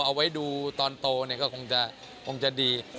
เอาไว้ดูตอนโตก็คงจะดี